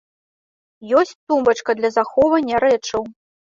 Ёсць тумбачка для захоўвання рэчаў.